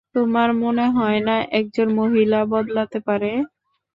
তোমার মনে হয় না একজন মহিলা বদলাতে পারে?